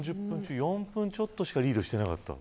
４分ちょっとしかリードしていなかった。